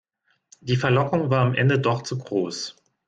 Die Verlockung war am Ende doch zu groß.